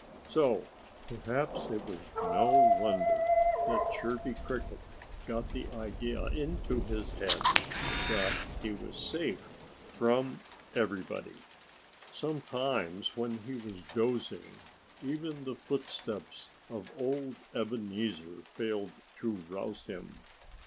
So perhaps it was no wonder that Chirpy Cricket got the idea into his head that he was safe from everybody. Sometimes, when he was dozing, even the footsteps of old Ebenezer failed to rouse him.